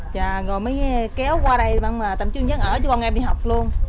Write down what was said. rồi mới kéo qua đây để mà tạm chú tạm dân ở cho con em đi học luôn